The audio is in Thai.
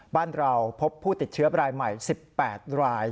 บ้านเราพบผู้ติดเชื้อรายใหม่๑๘ราย